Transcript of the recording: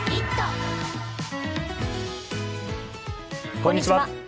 こんにちは。